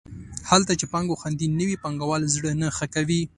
هلته چې پانګه خوندي نه وي پانګوال زړه نه ښه کوي.